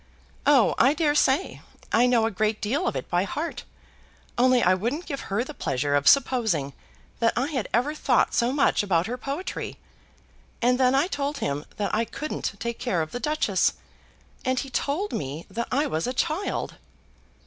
"Oh, I dare say! I know a great deal of it by heart, only I wouldn't give her the pleasure of supposing that I had ever thought so much about her poetry. And then I told him that I couldn't take care of the Duchess, and he told me that I was a child."